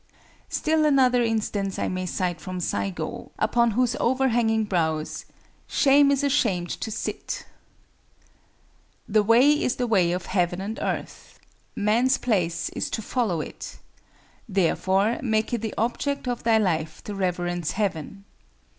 Still another instance I may cite from Saigo, upon whose overhanging brows "shame is ashamed to sit;"—"The Way is the way of Heaven and Earth: Man's place is to follow it: therefore make it the object of thy life to reverence Heaven.